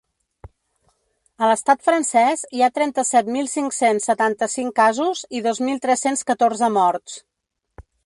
A l’estat francès hi ha trenta-set mil cinc-cents setanta-cinc casos i dos mil tres-cents catorze morts.